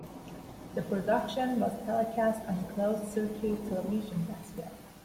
The production was telecast on closed circuit television that year.